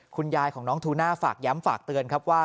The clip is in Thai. คุณยายของน้องทูน่าฝากย้ำฝากเตือนครับว่า